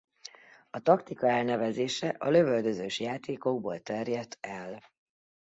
A taktika elnevezése a lövöldözős játékokból terjedt el.